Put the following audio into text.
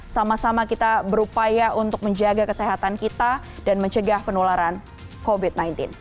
sama sama kita berupaya untuk menjaga kesehatan kita dan mencegah penularan covid sembilan belas